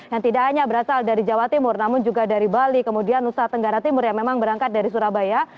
yang tidak hanya berasal dari jawa timur namun juga dari bali kemudian nusa tenggara timur yang memang berangkat dari surabaya